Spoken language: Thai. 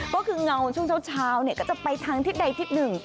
ก็คือเงาช่วงเช้าก็จะไปทางทิศใดทิศหนึ่ง